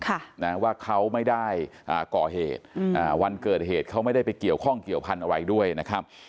ค่ะนะว่าเขาไม่ได้อ่าก่อเหตุอืมอ่าวันเกิดเหตุเขาไม่ได้ไปเกี่ยวข้องเกี่ยวพันธุ์อะไรด้วยนะครับ